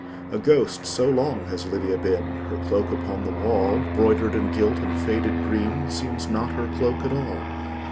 A ghost so long has Lydia been, Her cloak upon the wall, Broidered, and gilt, and faded green, Seems not her cloak at all.